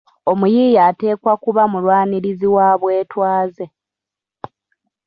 Omuyiiya ateekwa kuba mulwanirizi wa bwetwaze.